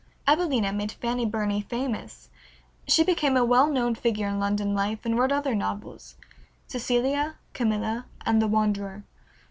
"Evelina" made Fanny Burney famous. She became a well known figure in London life, and wrote other novels, "Cecilia, "Camilla," and "The Wanderer."